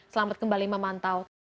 selamat kembali memantau terima kasih